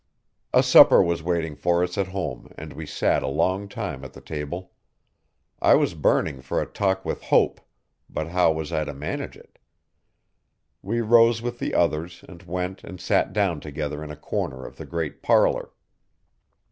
A supper was waiting for us at home and we sat a long time at the table. I was burning for a talk with Hope but how was I to manage it? We rose with the others and went and sat down together in a corner of the great parlour.